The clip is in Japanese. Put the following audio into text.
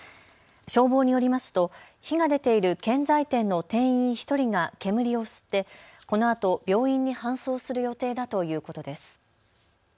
消防によりますと火が出ている建材店の店員１人が煙を吸ってこのあと病院に搬送する予定だということです。